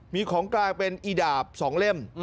มีของกลางเป็นอีดาบ๒เล่ม